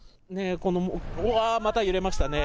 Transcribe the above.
わー、また揺れましたね。